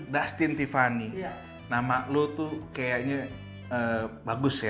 dustin tiffany nama lo tuh kayaknya bagus ya